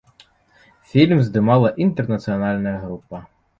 Фільм здымала інтэрнацыянальная група.